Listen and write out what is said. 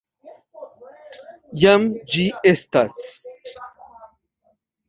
Jam ĝi estas.